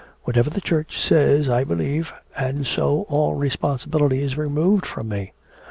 Whatever the Church says I believe, and so all responsibility is removed from me.